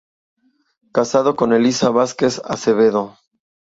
Casado con Elisa Vásquez Acevedo.